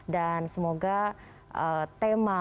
dan semoga tema